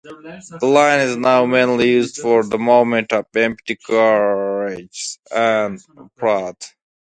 The line is now mainly used for the movement of empty carriages and freight.